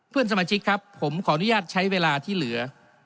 เพื่อนสมาชิกครับผมขออนุญาตใช้เวลาที่เหลือ